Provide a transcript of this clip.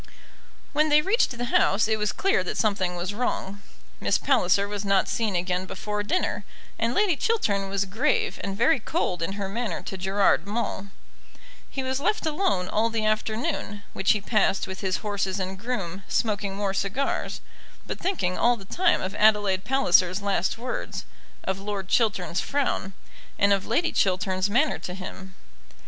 When they reached the house it was clear that something was wrong. Miss Palliser was not seen again before dinner, and Lady Chiltern was grave and very cold in her manner to Gerard Maule. He was left alone all the afternoon, which he passed with his horses and groom, smoking more cigars, but thinking all the time of Adelaide Palliser's last words, of Lord Chiltern's frown, and of Lady Chiltern's manner to him.